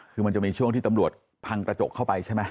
คือมันจะมีช่วงที่ตำรวจพังกระจกเข้าไปใช่ไหม